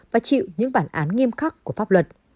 và chịu những bản án nghiêm khắc của pháp luật